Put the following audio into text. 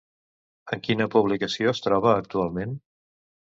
En quina publicació es troba actualment?